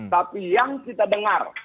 tapi yang kita dengar